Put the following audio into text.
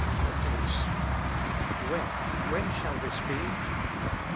(Ibid.) A VOICE. When? When shall this be?